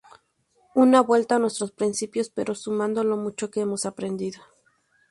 Una vuelta a nuestros principios, pero sumando lo mucho que hemos aprendido".